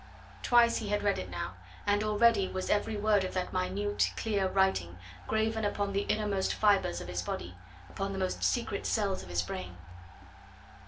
Twice he had read it now, and already was every word of that minute, clear writing graven upon the innermost fibres of his body, upon the most secret cells of his brain.